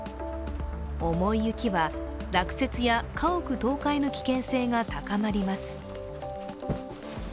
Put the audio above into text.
重い雪は落雪や家屋倒壊の危険性が高まります。